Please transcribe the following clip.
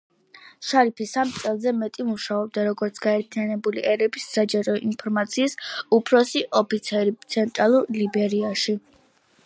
შარიფი სამ წელზე მეტი მუშაობდა, როგორც გაერთიანებული ერების საჯარო ინფორმაციის უფროსი ოფიცერი ცენტრალურ ლიბერიაში.